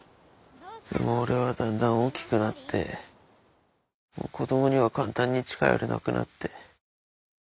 でも俺はだんだん大きくなってもう子供には簡単に近寄れなくなって。